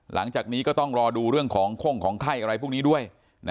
หลังจากนี้ก็ต้องรอดูเรื่องของโค้งของไข้อะไรพวกนี้ด้วย